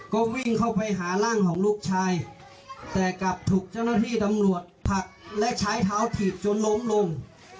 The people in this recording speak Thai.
ก็วิ่งเข้าไปหาร่างของลูกชายแต่กลับถูกเจ้าหน้าที่ตำรวจผลักและใช้เท้าถีบจนล้มลง